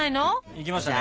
いきましたね。